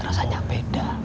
salat rasanya beda